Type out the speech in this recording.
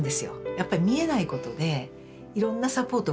やっぱり見えないことでいろんなサポートがいるしね。